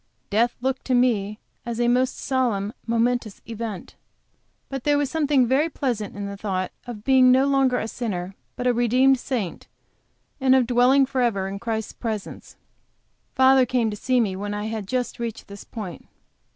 Death looked to me as a most solemn, momentous event but there was something very pleasant in the thought of being no longer a sinner, but a redeemed saint, and of dwelling forever in Christ's presence. Father came to see me when I had just reached this point.